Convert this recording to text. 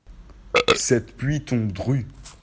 Cette pluie tombe dru.